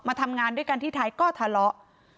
ทำงานด้วยกันที่ไทยก็ทะเลาะ